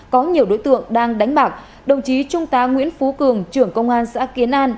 có nhiều đối tượng đang đánh bạc đồng chí trung tá nguyễn phú cường trưởng công an xã kiến an